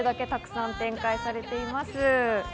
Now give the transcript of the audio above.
たくさん展開されています。